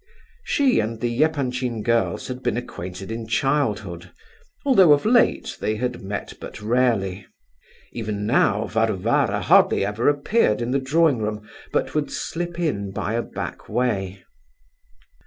She and the Epanchin girls had been acquainted in childhood, although of late they had met but rarely. Even now Varvara hardly ever appeared in the drawing room, but would slip in by a back way.